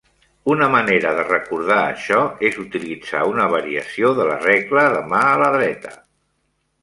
Una manera de recordar això és utilitzar una variació de la regla de mà la dreta.